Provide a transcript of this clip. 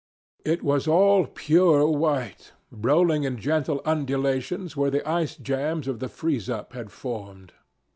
It was all pure white, rolling in gentle undulations where the ice jams of the freeze up had formed.